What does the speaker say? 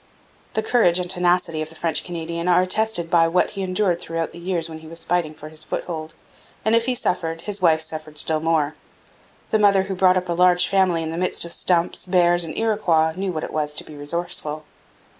The courage and tenacity of the French Canadian are attested by what he endured throughout the years when he was fighting for his foothold. And if he suffered, his wife suffered still more. The mother who brought up a large family in the midst of stumps, bears, and Iroquois knew what it was to be resourceful.